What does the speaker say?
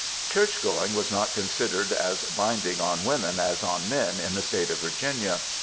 Churchgoing was not considered as binding on women as on men in the State of Virginia.